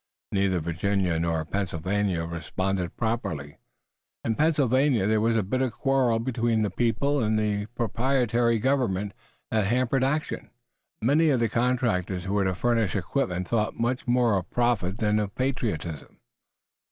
Neither Virginia nor Pennsylvania responded properly. In Pennsylvania there was a bitter quarrel between the people and the proprietary government that hampered action. Many of the contractors who were to furnish equipment thought much more of profit than of patriotism.